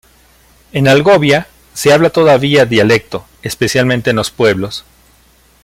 En Algovia se habla todavía dialecto, especialmente en los pueblos.